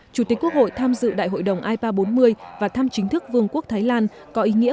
chủ tịch quốc hội tham dự đại hội đồng ipa bốn mươi và thăm chính thức vương quốc thái lan có ý nghĩa